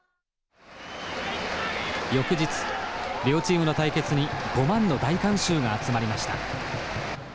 翌日両チームの対決に５万の大観衆が集まりました。